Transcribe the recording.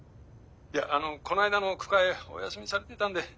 いやあのこの間の句会お休みされてたんで。